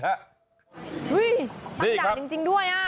ตั้งด่านจริงด้วย